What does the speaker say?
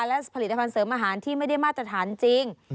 และผลิตภัณฑ์เสริมอาหารที่ไม่ได้มาตรฐานจริง